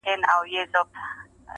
زه له غمه سينه چاک درته ولاړ يم~